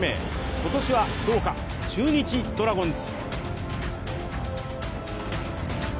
今年はどうか、中日ドラゴンズ。